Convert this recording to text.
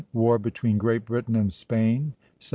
WAR BETWEEN GREAT BRITAIN AND SPAIN, 1739.